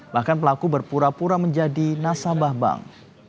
bahkan pelaku berpura pura menjadi nasabah bank